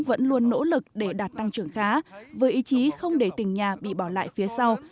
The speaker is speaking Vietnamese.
vẫn luôn nỗ lực để đạt tăng trưởng khá với ý chí không để tỉnh nhà bị bỏ lại phía sau